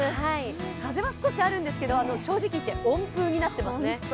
風は少しあるんですけど正直言って温風になってますね。